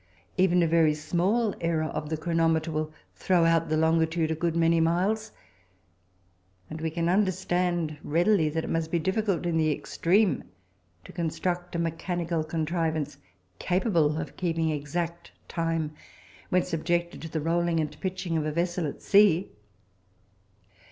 Even a very small error of the chronometer will throw out the longitude a good many miles, and we can understand readily that it must be difficult in the extreme to construct a mechanical contrivance capable of keeping exact time when subjected to the rolling and pitching of a vessel at sea.